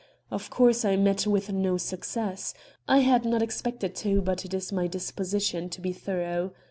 Of course, I met with no success. I had not expected to, but it is my disposition to be thorough.